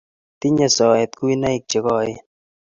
Tinyei soet kuinoik che koen